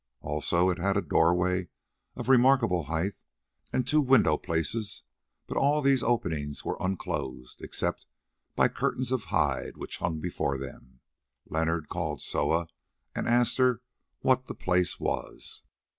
Also it had a doorway of remarkable height and two window places, but all these openings were unclosed, except by curtains of hide which hung before them. Leonard called Soa and asked her what the place was.